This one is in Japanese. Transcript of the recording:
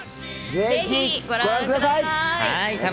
ぜひご覧ください。